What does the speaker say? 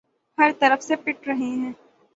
ہر طرف سے پٹ رہے تھے۔